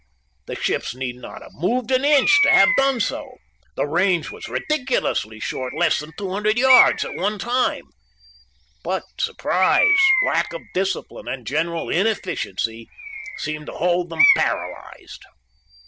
The ships need not have moved an inch to have done so. The range was ridiculously short less than 200 yards at one time. But surprise, lack of discipline, and general inefficiency seemed to hold them paralyzed.